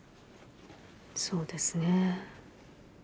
そうですね。